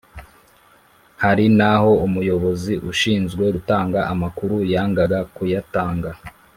Hari n’aho umuyobozi ushinzwe gutanga amakuru yangaga kuyatanga